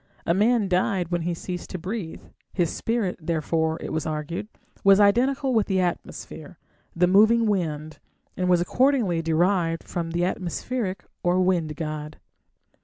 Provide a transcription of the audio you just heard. A man died when he ceased to breathe; his spirit, therefore, it was argued, was identical with the atmosphere the moving wind and was accordingly derived from the atmospheric or wind god.